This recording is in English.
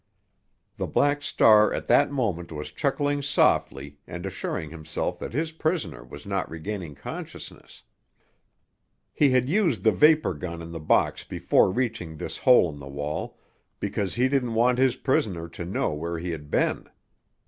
The Black Star at that moment was chuckling softly and assuring himself that his prisoner was not regaining consciousness. He had used the vapor gun in the box before reaching this hole in the wall, because he didn't want his prisoner to know where he had been.